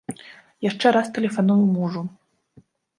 Яшчэ раз тэлефаную мужу.